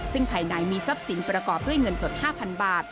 ซึ่งภายในมีทรัพย์สินประกอบด้วยเงินสด๕๐๐๐บาท